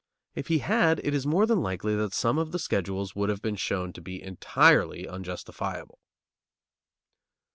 If he had, it is more than likely that some of the schedules would have been shown to be entirely unjustifiable.